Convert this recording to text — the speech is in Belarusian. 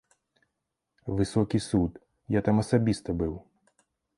Высокі суд, я там асабіста быў.